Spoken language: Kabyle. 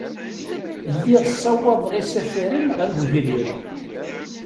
Lliɣ ssawaḍeɣ isafaren ɣer wegrir.